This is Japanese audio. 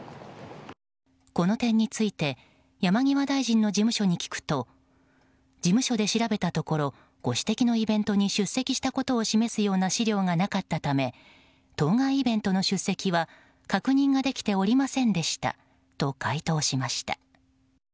この点について山際大臣の事務所に聞くと事務所で調べたところご指摘のイベントに出席したことを示すような資料がなかったため当該イベントの出席は確認ができておりませんでしたと回答しました。